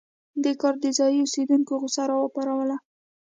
دې کار د ځايي اوسېدونکو غوسه راوپاروله.